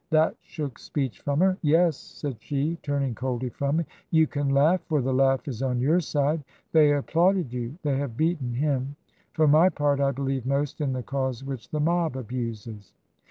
That shook speech from her. " Yes," said she, turning coldly from him, " you can laugh, for the laugh is on your side. They applauded you. They have beaten him. For my part, I believe most in the cause which the mob abuses."